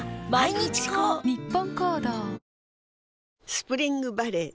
スプリングバレー